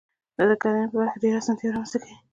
دا د کرنې په برخه کې ډېرې اسانتیاوي رامنځته کوي.